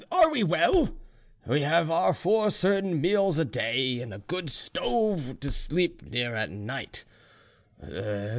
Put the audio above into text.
Are we well? We have our four certain meals a day, and a good stove to sleep near at night.